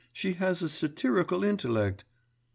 She has a satirical intellect